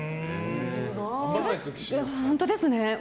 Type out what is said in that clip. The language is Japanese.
本当ですね。